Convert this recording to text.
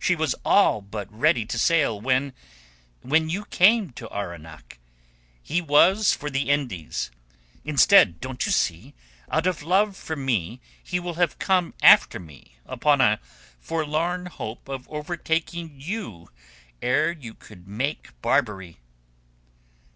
"She was all but ready to sail when... when you came to Arwenack. He was for the Indies. Instead—don't you see?—out of love for me he will have come after me upon a forlorn hope of overtaking you ere you could make Barbary."